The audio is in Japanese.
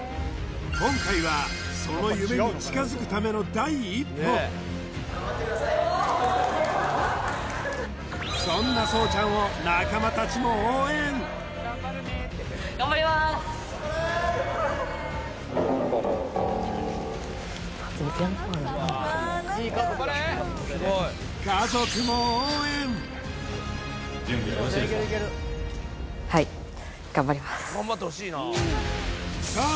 今回はその夢に近づくための第一歩そんなそうちゃんを仲間たちも応援頑張れはいさあ